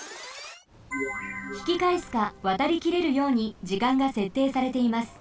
ひきかえすかわたりきれるように時間がせっていされています。